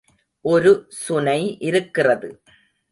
ஒரு சுனை இருக்கிறது.